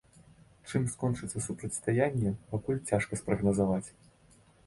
Чым скончыцца супрацьстаянне, пакуль цяжка спрагназаваць.